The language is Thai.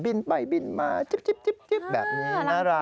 บินไปบินมาจิ๊บแบบนี้น่ารัก